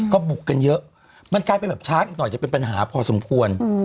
ก็บุกกันเยอะมันกลายเป็นแบบช้างอีกหน่อยจะเป็นปัญหาพอสมควร